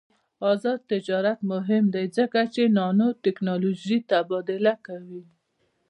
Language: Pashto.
آزاد تجارت مهم دی ځکه چې نانوټیکنالوژي تبادله کوي.